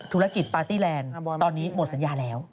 ปาร์ตี้แลนด์ตอนนี้หมดสัญญาแล้ว